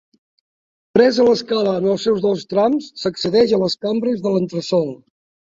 Presa l'escala en els seus dos trams, s'accedeix a les cambres de l'entresòl.